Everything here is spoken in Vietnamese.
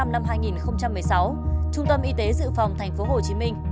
là những gói hạt đủ màu sắc